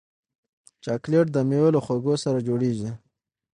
چاکلېټ د میوو له خوږو سره جوړېږي.